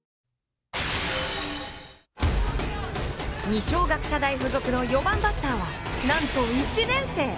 二松学舎大付属の４番バッターは何と１年生。